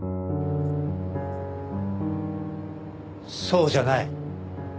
そうじゃない。